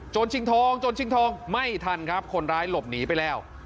ชิงทองจนชิงทองไม่ทันครับคนร้ายหลบหนีไปแล้ว